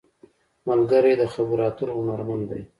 ملګری د خبرو اترو هنرمند دی